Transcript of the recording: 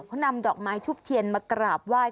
เขานำดอกไม้ทุบเทียนมากราบไหว้